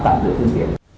tạm giữ thương tiện